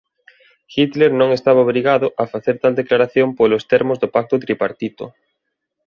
Hitler non estaba obrigado a facer tal declaración polos termos do Pacto Tripartito.